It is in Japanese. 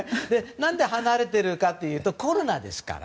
何で離れてるかというとコロナですから。